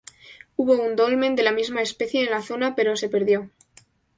Hubo un dolmen de la misma especie en la zona, pero se perdió.